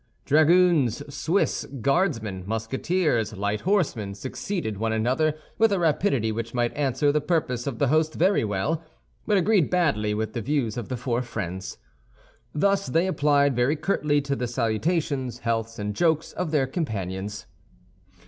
Dragoons, Swiss, Guardsmen, Musketeers, light horsemen, succeeded one another with a rapidity which might answer the purpose of the host very well, but agreed badly with the views of the four friends. Thus they applied very curtly to the salutations, healths, and jokes of their companions.